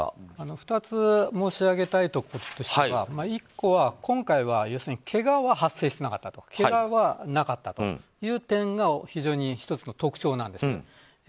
２つ、申し上げたいところがありますが、１個は今回要するにけがは発生していなかったけがはなかったという点が非常に１つの特徴なんです。